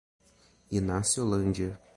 Inaciolândia